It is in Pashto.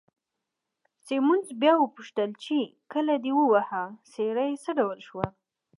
سیمونز بیا وپوښتل چې، کله دې وواهه، څېره یې څه ډول شوه؟